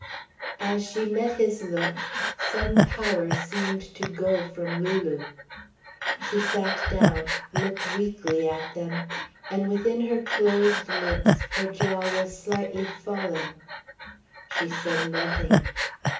As she met his look, some power seemed to go from Lulu. She sat down, looked weakly at them, and within her closed lips her jaw was slightly fallen. She said nothing.